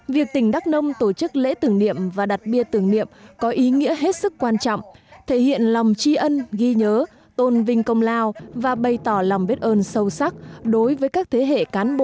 việc tỉnh đắk nông tổ chức lễ tưởng niệm và đặt bia tưởng niệm có ý nghĩa hết sức quan trọng thể hiện lòng tri ân ghi nhớ tôn vinh công lao và bày tỏ lòng biết ơn sâu sắc đối với các thế hệ cán bộ